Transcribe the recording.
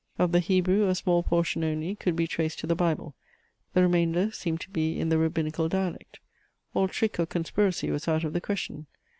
Of the Hebrew, a small portion only could be traced to the Bible; the remainder seemed to be in the Rabbinical dialect. All trick or conspiracy was out of the question.